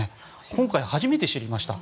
今回初めて知りました。